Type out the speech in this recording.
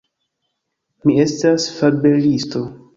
Mi estas fabelisto.